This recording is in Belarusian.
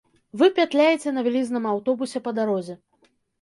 Вы пятляеце на вялізным аўтобусе па дарозе.